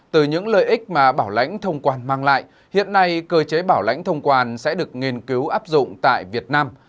từ những lợi ích mà bảo lãnh thông quan mang lại hiện nay cơ chế bảo lãnh thông quan sẽ được nghiên cứu áp dụng tại việt nam